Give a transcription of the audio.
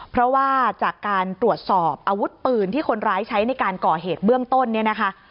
เพราะว่าจากการตรวจสอบอาวุธปืนที่คนร้ายใช้ในการก่อเหตุเบื้องต้นเนี่ยนะคะ